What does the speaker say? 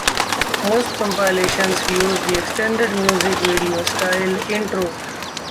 Most compilations use the extended music video-style intro.